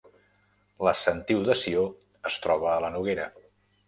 La Sentiu de Sió es troba a la Noguera